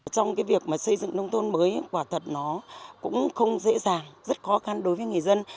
trong cái việc mà xây dựng nông thôn mới quả thật nó cũng không dễ dàng rất khó khăn đối với người dân